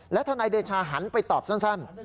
ทนายเดชาหันไปตอบสั้น